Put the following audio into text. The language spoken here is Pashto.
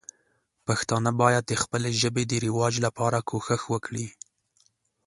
پښتانه باید د خپلې ژبې د رواج لپاره کوښښ وکړي.